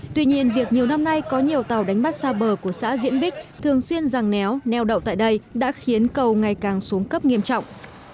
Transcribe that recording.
tuy nhiên việc nhiều năm nay có nhiều tàu đánh bắt xa bờ của xã diễn bích thường xuyên ràng néo neo đậu tại đây đã khiến cầu ngày càng xuống cấp nghiêm trọng